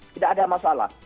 tidak ada masalah